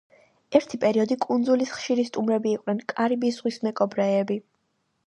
ერთი პერიოდი კუნძულის ხშირი სტუმრები იყვნენ კარიბის ზღვის მეკობრეები.